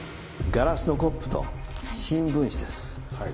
ガラスのコップと新聞紙です。